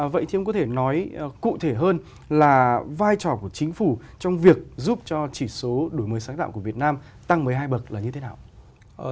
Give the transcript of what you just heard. vậy thì ông có thể nói cụ thể hơn là vai trò của chính phủ trong việc giúp cho chỉ số đổi mới sáng tạo của việt nam tăng một mươi hai bậc là như thế nào